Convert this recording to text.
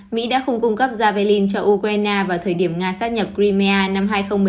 mỹ đã không cung cấp javelin cho ukraine vào thời điểm nga sát nhập crimea năm hai nghìn một mươi bốn